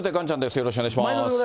よろしくお願いします。